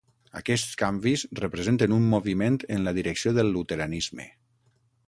Aquests canvis representen un moviment en la direcció del luteranisme.